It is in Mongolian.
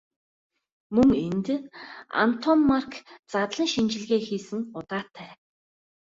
Мөн энд Антоммарки задлан шинжилгээ хийсэн удаатай.